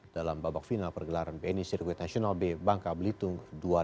dalam babak final pergelaran bni sirkuit nasional b bangka belitung dua ribu dua puluh